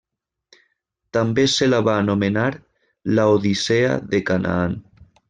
També se la va anomenar Laodicea de Canaan.